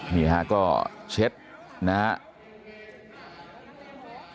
นี่ฮะก็เช็ดนะครับ